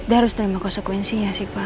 dia harus terima konsekuensinya sih pak